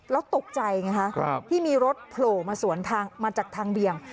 แล้วตกใจไงคะที่มีรถโผล่มาจากทางเดี่ยง